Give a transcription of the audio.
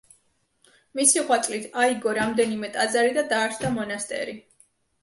მისი ღვაწლით აიგო რამდენიმე ტაძარი და დაარსდა მონასტერი.